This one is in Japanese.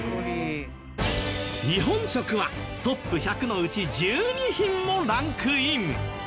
日本食はトップ１００のうち１２品もランクイン。